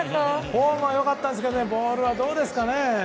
フォームはよかったんですがボールはどうですかね。